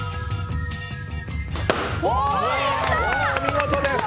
お見事です！